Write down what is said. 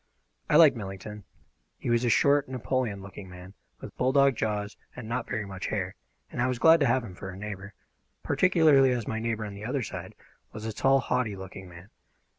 I liked Millington. He was a short, Napoleon looking man, with bulldog jaws and not very much hair, and I was glad to have him for a neighbour, particularly as my neighbour on the other side was a tall, haughty looking man.